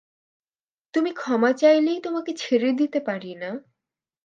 তুমি ক্ষমা চাইলেই তোমাকে ছেড়ে দিতে পারি না।